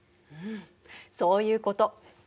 うんそういうこと。